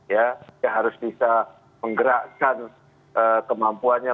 ya dia harus bisa menggerakkan kemampuannya